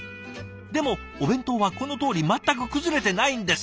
でもお弁当はこのとおり全く崩れてないんです」。